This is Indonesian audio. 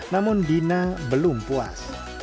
namun dina belum puas